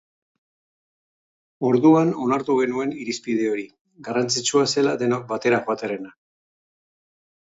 Orduan onartu genuen irizpide hori, garrantzitsua zela denok batera joatearena.